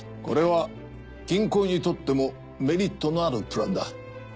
これは銀行にとってもメリットのあるプランだ。